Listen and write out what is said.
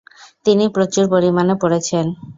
তিনি প্রচুর পরিমাণে পড়েছেন।